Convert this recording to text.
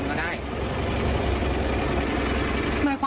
พอถิกันก็ได้